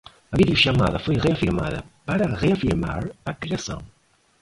A videochamada foi reafirmada para reafirmar a criação